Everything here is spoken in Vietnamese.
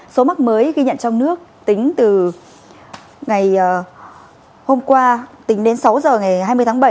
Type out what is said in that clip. số mắc mới ghi nhận trong nước tính từ ngày hôm qua tính đến sáu giờ ngày hai mươi tháng bảy